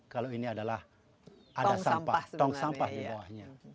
kalau ini adalah tong sampah di bawahnya